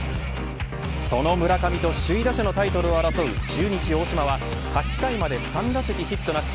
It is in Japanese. その村上と首位打者のタイトルを争う中日、大島は８回まで３打席ヒットなし。